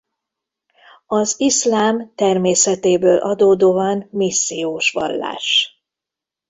Az iszlám természetéből adódóan missziós vallás.